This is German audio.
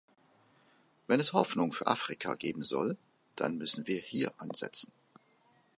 Wenn es Hoffnung für Afrika geben soll, dann müssen wir hier ansetzen.